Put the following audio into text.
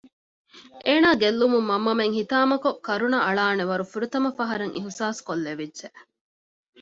އޭނާ ގެއްލުމުން މަންމަމެން ހިތާމަކޮށް ކަރުނައަޅާނެ ވަރު ފުރަތަމަ ފަހަރަށް އިހްސާސްކޮށްލެވިއްޖެ